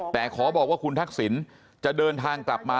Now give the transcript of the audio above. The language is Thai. แต่ขอบอกว่าคุณทักษิณจะเดินทางกลับมา